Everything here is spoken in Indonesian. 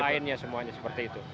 lainnya semuanya seperti itu